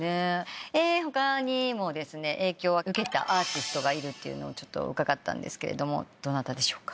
他にも影響を受けたアーティストがいると伺ったんですけどどなたでしょうか？